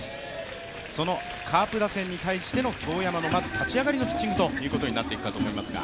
そのカープ打線に対しての京山の立ち上がりのピッチングということになってきますか。